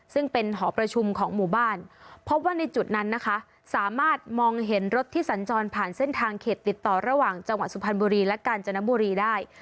ซึ่งเป็นหอประชุมของหมู่บ้านพบว่าในจุดนั้นนะคะสามารถมองเห็นรถที่สัญจรผ่านเส้นทางเขตติดต่อระหว่างจังหวัดสุพรรณบุรีและกาญจนบุรีได้